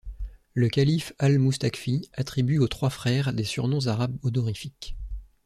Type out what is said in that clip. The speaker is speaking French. Le calife Al-Mustakfi attribue aux trois frères des surnoms arabes honorifiques.